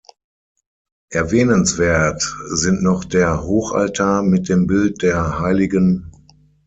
Erwähnenswert sind noch der Hochaltar mit dem Bild der Hl.